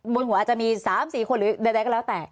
บนหัวอาจจะมี๓๔คนหรือใดก็แล้วแต่